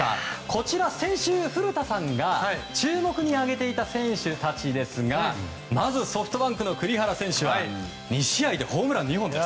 こちら、先週、古田さんが注目に挙げていた選手たちですがまずソフトバンクの栗原選手は２試合でホームラン２本です。